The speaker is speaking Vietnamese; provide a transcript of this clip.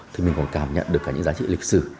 thì mình còn cảm nhận được cả những giá trị lịch sử